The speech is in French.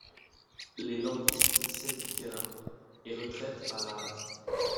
Les nordistes cèdent du terrain et retraitent à la hâte.